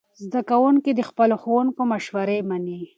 زده کوونکي د خپلو ښوونکو مشورې مني.